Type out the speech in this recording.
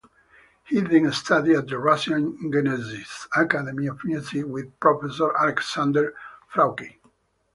He then studied at the Russian Gnesins's Academy of Music with Professor Alexander Frauchi.